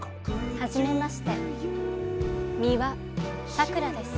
はじめまして美羽さくらです。